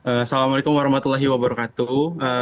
assalamualaikum warahmatullahi wabarakatuh